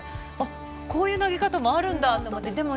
こういう投げ方もあるんだって思って。